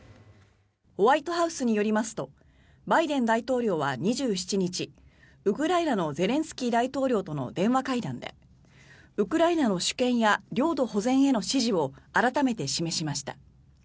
ホワイトハウスによりますとバイデン大統領は２７日ウクライナのゼレンスキー大統領との電話会談でウクライナの主権や領土保全への支持を改めて示しました。